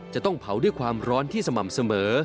จะต้องเผาด้วยความร้อนที่สม่ำเสมอ